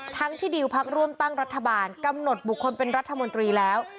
ทั้งที่ดิวพักร่วมตั้งรัฐบาลกำหนดบุคคลเป็นรัฐมนตรีแล้ว